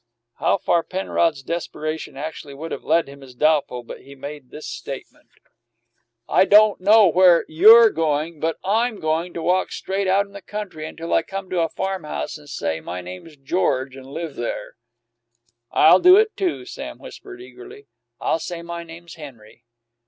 How far Penrod's desperation actually would have led him is doubtful, but he made this statement: "I don't know where you're goin', but I'm goin' to walk straight out in the country till I come to a farm house and say my name's George and live there!" "I'll do it, too," Sam whispered eagerly. "I'll say my name's Henry."